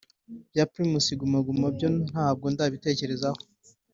Ibya Primus Guma Guma ibyo ntabwo ndabitekerezaho